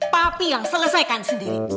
papi yang selesaikan sendiri